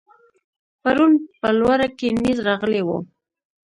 پرون په لوړه کې نېز راغلی و.